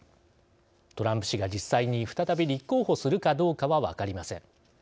トランプ氏が、実際に再び立候補するかどうかは分かりません。